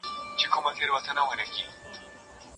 یا سېلابونه یا زلزلې دي